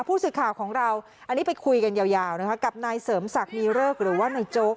ผู้สื่อข่าวของเราอันนี้ไปคุยกันยาวนะคะกับนายเสริมศักดิ์มีเริกหรือว่านายโจ๊ก